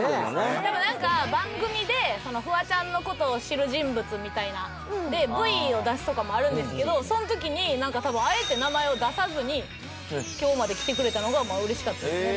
でもなんか番組でフワちゃんの事を知る人物みたいなんでＶを出すとかもあるんですけどその時になんか多分あえて名前を出さずに今日まで来てくれたのがまあうれしかったですね。